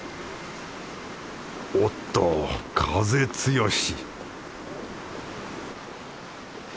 おっと風強し